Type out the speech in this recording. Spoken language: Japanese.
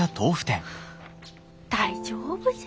大丈夫じゃ。